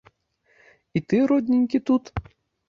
І ты, родненькі, тут?